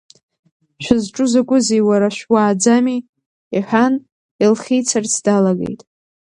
Шәызҿу закәызеи, уара шәуааӡами, — иҳәан, илхицарц далагеит.